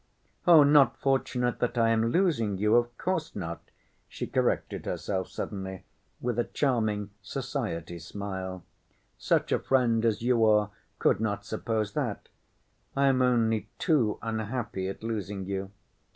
"Oh, not fortunate that I am losing you, of course not," she corrected herself suddenly, with a charming society smile. "Such a friend as you are could not suppose that. I am only too unhappy at losing you."